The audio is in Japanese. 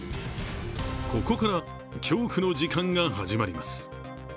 ここから恐怖の時間が始まります。